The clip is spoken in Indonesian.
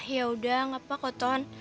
yaudah gak apa apa ton